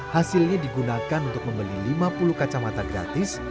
hasilnya digunakan untuk membeli lima puluh kacamata gratis